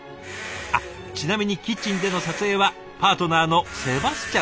あっちなみにキッチンでの撮影はパートナーのセバスチャンさん。